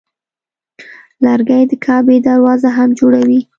لرګی د کعبې دروازه هم جوړوي.